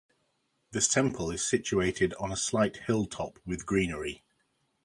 This temple is situated on a slight hill top with greenery.